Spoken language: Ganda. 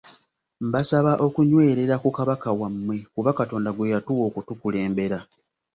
Mbasaba okunywerera ku Kabaka wammwe kuba Katonda gwe yatuwa okutukulembera.